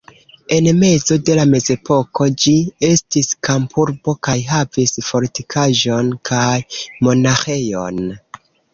En mezo de la mezepoko ĝi estis kampurbo kaj havis fortikaĵon kaj monaĥejon.